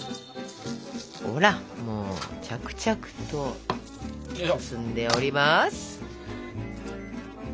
ほらもう着々と進んでおります！